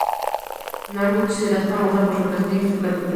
Norwich: Ciudad famosa por su castillo y su catedral.